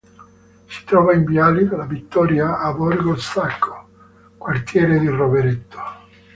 Si trova in viale della Vittoria a Borgo Sacco, quartiere di Rovereto.